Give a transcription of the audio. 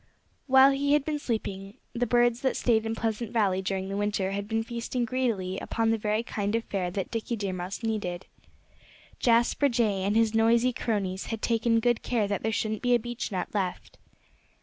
While he had been sleeping the birds that stayed in Pleasant Valley during the winter had been feasting greedily upon the very kind of fare that Dickie Deer Mouse needed. Jasper Jay and his noisy cronies had taken good care that there shouldn't be a beechnut left.